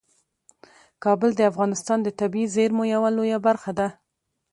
کابل د افغانستان د طبیعي زیرمو یوه لویه برخه ده.